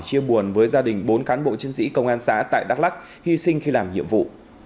chia buồn với gia đình bốn cán bộ chiến sĩ công an xã tại đắk lắc hy sinh khi làm nhiệm vụ